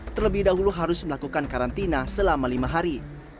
terlebih dahulu harus melakukan karantina selama lima hari